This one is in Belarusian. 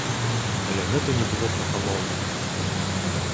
Але гэта не было прапановай.